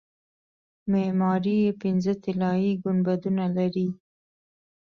معماري یې پنځه طلایي ګنبدونه لري.